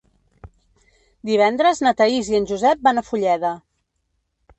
Divendres na Thaís i en Josep van a Fulleda.